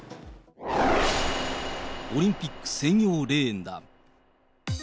オリンピック専用レーンだ。